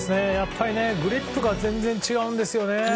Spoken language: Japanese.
やっぱりグリップが全然違うんですよね。